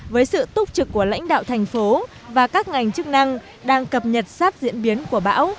với sự túc trực của lãnh đạo thành phố và các ngành chức năng đang cập nhật sát diễn biến của bão